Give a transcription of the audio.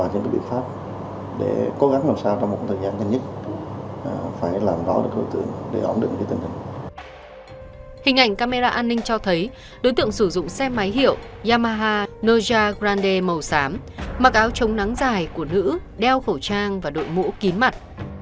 hình ảnh camera an ninh cho thấy đối tượng sử dụng xe máy hiệu yamaha noja grande màu xám mặc áo chống nắng dài của nữ đeo khẩu trang và đội mũ kín mặt